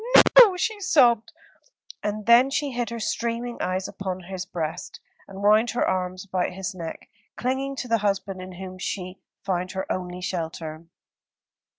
"No, no," she sobbed; and then she hid her streaming eyes upon his breast, and wound her arms about his neck, clinging to the husband in whom she found her only shelter.